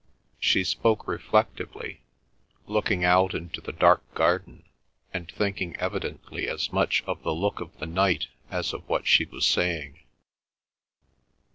She spoke reflectively, looking out into the dark garden, and thinking evidently as much of the look of the night as of what she was saying.